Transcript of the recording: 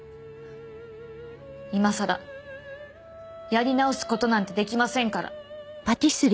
今さらやり直す事なんてできませんから。